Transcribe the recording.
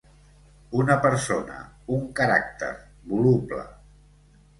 Una persona, un caràcter, voluble.